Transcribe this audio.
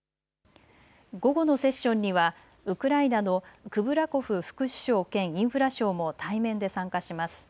午後のセッションにはウクライナのクブラコフ副首相兼インフラ相も対面で参加します。